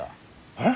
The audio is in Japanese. えっ！